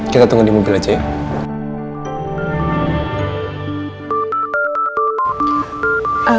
kita tunggu di mobil aja ya